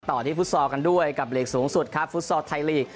ต่อที่ฟุตซอลกันด้วยกับหลีกสูงสุดครับฟุตซอลไทยลีก